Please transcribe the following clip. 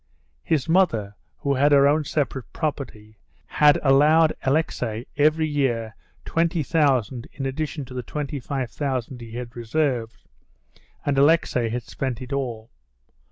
His mother, who had her own separate property, had allowed Alexey every year twenty thousand in addition to the twenty five thousand he had reserved, and Alexey had spent it all.